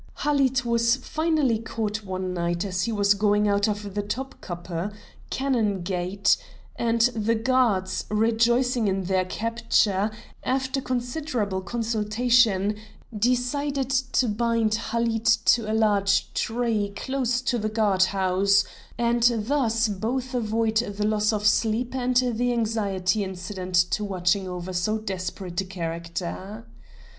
Halid was finally caught one night as he was going out of the Top Kapou (Cannon Gate), and the guards, rejoicing in their capture, after considerable consultation decided to bind Halid to a large tree close to the Guard house, and thus both avoid the loss of sleep and the anxiety incident to watching over so desperate a character.